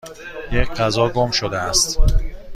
یک غذا گم شده است.